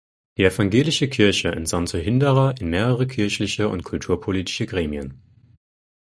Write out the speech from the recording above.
Die evangelische Kirche entsandte Hinderer in mehrere kirchliche und kulturpolitische Gremien.